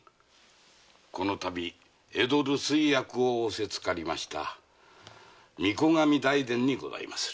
このたび江戸留守居役を仰せつかりました御子上大膳にございまする。